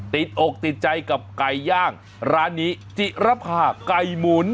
ติดอกติดใจกับไก่ย่างร้านนี้จิรภาไก่หมุน